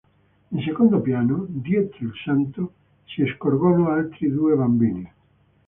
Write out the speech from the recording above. In secondo piano, dietro il santo, si scorgono altri due bambini.